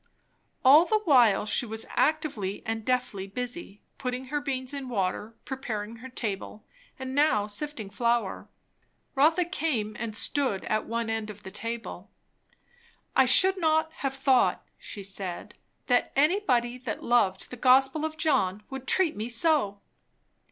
All the while she was actively and deftly busy; putting her beans in water, preparing her table, and now sifting flour. Rotha came and stood at one end of the table. "I should not have thought," she said, "that anybody that loved the gospel of John, would treat me so."